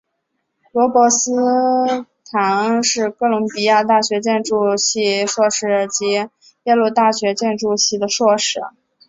罗伯特斯坦恩是哥伦比亚大学建筑系硕士以及耶鲁大学建筑系的硕士。